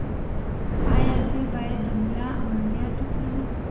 ایا زه باید د ملا عملیات وکړم؟